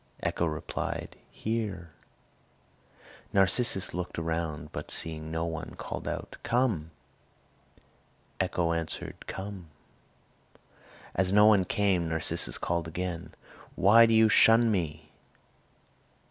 Echo replied, "Here." Narcissus looked around, but seeing no one called out, "Come." Echo answered, "Come." As no one came, Narcissus called again, "Why do you shun me?"